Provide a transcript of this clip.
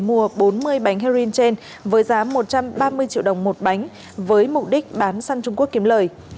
mua bốn mươi bánh heroin trên với giá một trăm ba mươi triệu đồng một bánh với mục đích bán săn trung quốc kiếm lời